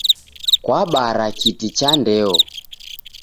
Kwabara kiti cha ndeo